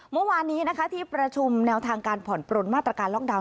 เมื่อวานนี้นะคะที่ประชุมแนวทางการผ่อนปลนมาตรการล็อกดาวน